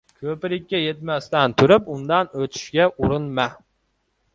• Ko‘prikka yetmasdan turib, undan o‘tishga urinma.